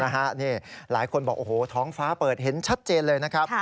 หลายคนบอกโอ้โหท้องฟ้าเปิดเห็นชัดเจนเลยนะครับ